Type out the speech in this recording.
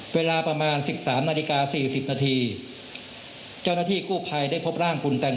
เวลาประมาณสิบสามนาฬิกาสี่สิบนาทีเจ้าหน้าที่คู่ภัยได้พบร่างคุณแต่ง